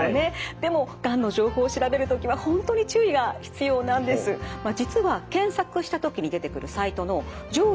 でもがんの情報を調べる時は本当に注意が必要なんです。